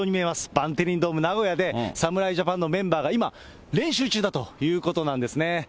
バンテリンドームナゴヤで、侍ジャパンのメンバーが今、練習中だということなんですね。